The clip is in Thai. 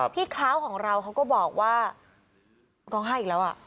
คร้าวของเราเขาก็บอกว่าร้องไห้อีกแล้วอ่ะ